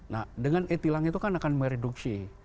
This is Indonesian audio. nah dengan e tilang itu kan akan mereduksi